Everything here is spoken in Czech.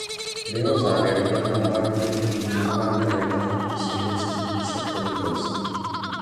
V jeho závěru byl na dva roky jmenován velitelem sovětských výsadkových vojsk.